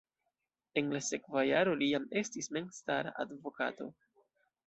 En la sekva jaro li jam estis memstara advokato.